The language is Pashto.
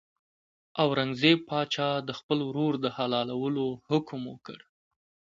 اورنګزېب پاچا د خپل ورور د حلالولو حکم وکړ.